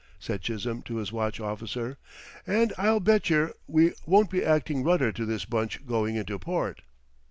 said Chisholm to his watch officer, "and I'll betcher we won't be acting rudder to this bunch going into port!"